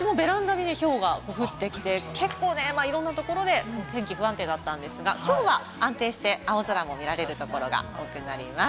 うちもベランダに降ってきて、結構いろんなところで天気不安定だったんですが、きょうは安定して青空も見られるところが多くなります。